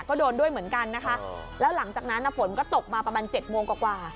ก็โดนด้วยเหมือนกันนะคะ